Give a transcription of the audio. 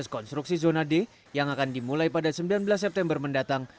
proses konstruksi zona d yang akan dimulai pada sembilan belas september mendatang